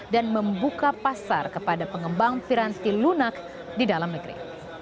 dan membuka pasar kepada pengembang piranti lunak di dalam negeri